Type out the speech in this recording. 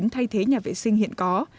thay thế nhà vệ sinh hiện có